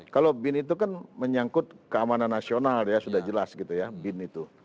kalau bin itu kan menyangkut keamanan nasional sudah jelas bin itu